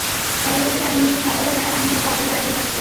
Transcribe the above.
তবে যদি এমন কিছু আবারও হয়, আমি হয়তো আবারও একই কাজ করব।